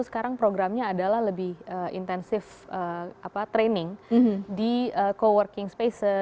sekarang programnya adalah lebih intensif training di co working space